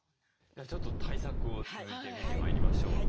ちょっと対策を続いて見てまいりましょう。